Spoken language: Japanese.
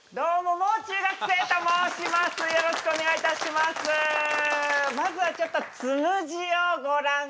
まずはちょっとつむじをご覧ください。